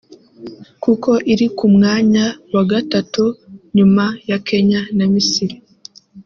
kuko iri ku mwanya wa gatatu nyuma ya Kenya na Misiri